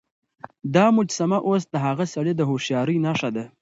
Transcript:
دا مجسمه اوس د هغه سړي د هوښيارۍ نښه ده.